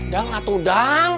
dang atuh dang